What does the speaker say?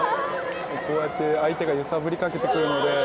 こうやって相手が揺さぶりかけてくるので。